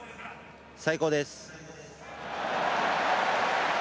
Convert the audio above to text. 最高です。